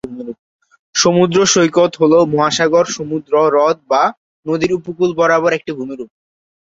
সমুদ্র সৈকত হল মহাসাগর, সমুদ্র, হ্রদ বা নদীর উপকূল বরাবর একটি ভূমিরূপ।